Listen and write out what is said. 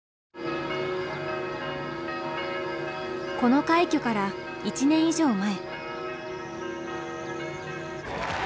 この快挙から１年以上前。